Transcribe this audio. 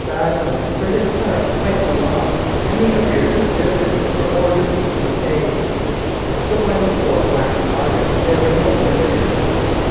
Radisson, for his part, went to law; and the arrears of dividends were ordered to be paid. But when the war waxed hotter there were no dividends.